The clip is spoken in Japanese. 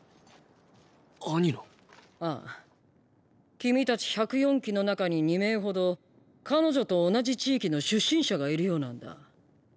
君たち１０４期の中に２名ほど彼女と同じ地域の出身者がいるようなんだ。